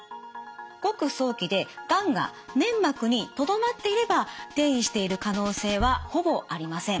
ごく早期でがんが粘膜にとどまっていれば転移している可能性はほぼありません。